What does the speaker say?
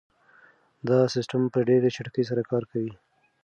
دا سیسټم په ډېره چټکۍ سره کار کوي.